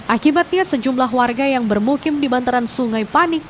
akibatnya sejumlah warga yang bermukim di bantaran sungai panik